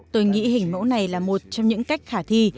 tôi nghĩ hình mẫu này là một trong những cách khả thi